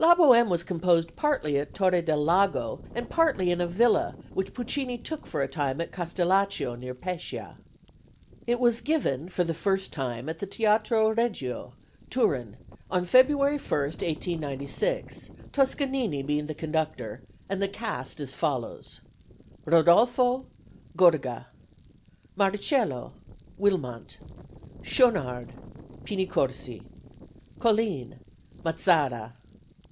La Bohème was composed partly at Torre del Lago and partly in a villa which Puccini took for a time at Castellaccio, near Pescia. It was given for the first time at the Teatro Regio, Turin, on February 1, 1896, Toscanini being the conductor, and cast as follows: Rodolfo GORGA. Marcello WILMANT. Schaunard PINI CORSI. Colline MAZZARA.